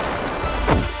aku akan menghina kau